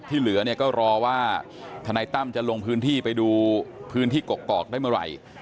เหลือเนี่ยก็รอว่าทนายตั้มจะลงพื้นที่ไปดูพื้นที่กกอกได้เมื่อไหร่